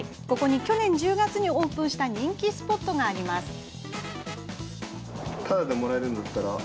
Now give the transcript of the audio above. ここに、去年１０月オープンした人気スポットがあります。